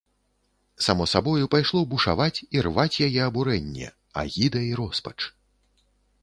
Само сабою пайшло бушаваць і рваць яе абурэнне, агіда і роспач.